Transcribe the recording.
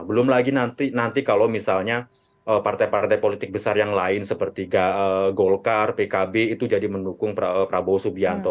belum lagi nanti kalau misalnya partai partai politik besar yang lain seperti golkar pkb itu jadi mendukung prabowo subianto